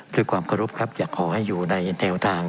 ด้วยความเคารพครับอยากขอให้อยู่ในแนวทาง